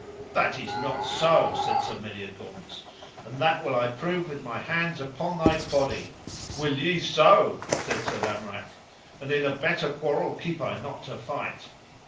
That is not so, said Sir Meliagaunce, and that will I prove with my hands upon thy body. Will ye so? said Sir Lamorak, and in a better quarrel keep I not to fight.